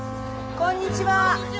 こんにちは！